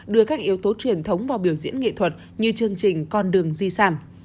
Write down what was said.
đưa các yếu tố truyền thống vào biểu diễn nghệ thuật như chương trình con đường di sản